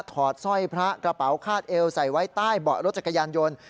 อดสร้อยพระกระเป๋าคาดเอวใส่ไว้ใต้เบาะรถจักรยานยนต์